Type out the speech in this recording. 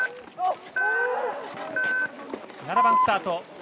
７番スタート